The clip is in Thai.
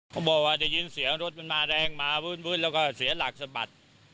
เขาบอกว่าได้ยินเสียงรถมันมาแรงมาวื้นแล้วก็เสียหลักสะบัด